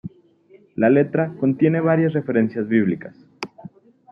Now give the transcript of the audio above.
La letra contiene varias referencias bíblicas.